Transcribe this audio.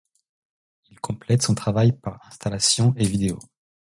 Il complète son travail par installations et vidéos.